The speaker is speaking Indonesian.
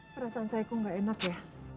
perasaan saya kok gak enak ya